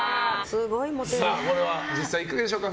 これは実際いかがでしょうか。